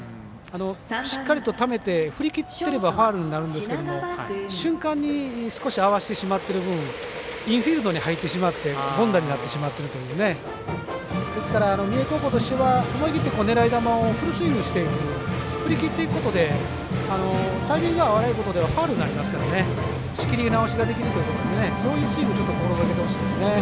しっかりとためて振り切っていればファウルになるんですけど瞬間に少し合わせてしまってる部分インフィールドに入ってしまって凡打になってしまってるという三重高校としては思い切って狙い球をフルスイングしていく振り切っていくことでタイミングが合わないことではファウルになりますから仕切り直しができるということでそういうスイングを心がけてほしいですね。